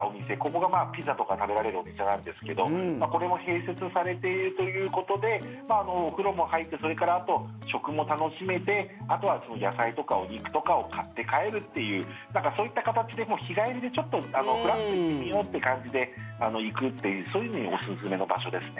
これ、東京でかつて人気だったお店ここがピザとか食べられるお店なんですけどこれも併設されているということでお風呂も入ってそれからあと、食も楽しめてあとは野菜とかお肉とかを買って帰るっていうそういった形で日帰りで、ちょっとふらっと行ってみようって感じで行くっていう、そういうのにおすすめの場所ですね。